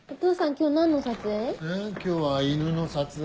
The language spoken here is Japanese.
今日何の撮影？え？